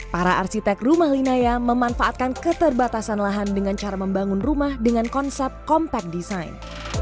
para arsitek rumah linaya memanfaatkan keterbatasan lahan dengan cara membangun rumah dengan konsep compact design